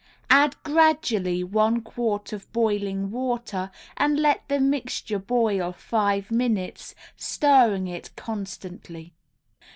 Add gradually one quart of boiling water and let the mixture boil five minutes, stirring it constantly.